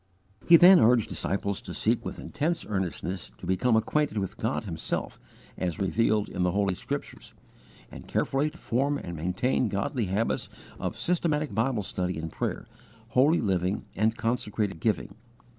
He then urged disciples to seek with intense earnestness to become acquainted with God Himself as revealed in the Holy Scriptures, and carefully to form and maintain godly habits of systematic Bible study and prayer, holy living and consecrated giving.